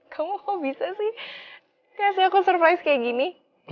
kamu kok bisa sih kasih aku surprise kayak gini